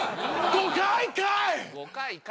５回かい！